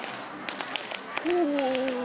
お！